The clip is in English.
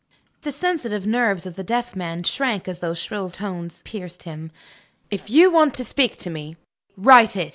The sensitive nerves of the deaf man shrank as those shrill tones pierced them. "If you want to speak to me, write it!"